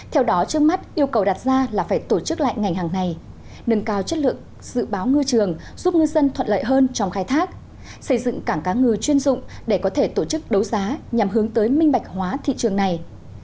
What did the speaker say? theo đó trước mắt yêu cầu đặt ra là phải tổ chức lại ngành hàng này nâng cao chất lượng dự báo ngư trường giúp ngư dân thuận lợi hơn trong khai thác xây dựng cảng cá ngừ chuyên dụng để có thể tổ chức đấu giá nhằm hướng tới minh bạch hóa thị trường này